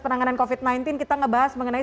penanganan covid sembilan belas kita ngebahas mengenai